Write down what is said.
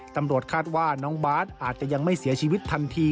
ตำรวจคาดว่าน้องบาทอาจจะยังไม่เสียชีวิตทันที